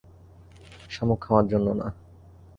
শামুক খাওয়ার জন্য না।